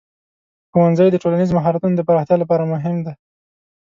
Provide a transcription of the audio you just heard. ښوونځی د ټولنیز مهارتونو د پراختیا لپاره مهم دی.